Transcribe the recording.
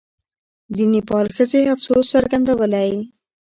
د نېپال ښځې افسوس څرګندولی.